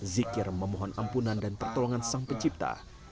zikir memohon ampunan dan pertolongan sang pencipta